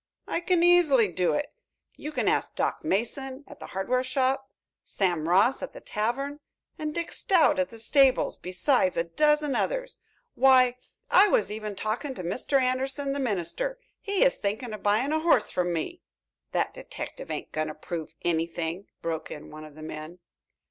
"I can easily do it. You can ask Doc Mason, at the hardware shop, Sam Ross at the tavern, and Dick Stout at the stables, besides a dozen others. Why, I was even talking to Mr. Anderson, the minister. He is thinking of buying a horse from me." "That detective ain't going to prove anything," broke in one of the men.